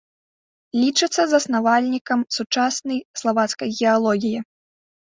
Лічыцца заснавальнікам сучаснай славацкай геалогіі.